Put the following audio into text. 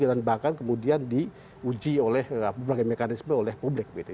dan bahkan kemudian diuji oleh mekanisme oleh publik